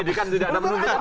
tidak ada pendidikan